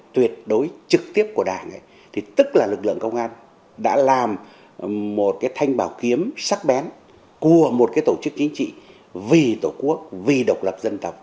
tuyệt đối trực tiếp của đảng thì tức là lực lượng công an đã làm một thanh bảo kiếm sắc bén của một tổ chức chính trị vì tổ quốc vì độc lập dân tộc